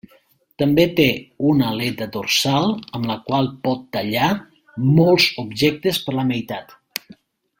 També té una aleta dorsal amb la qual pot tallar molts objectes per la meitat.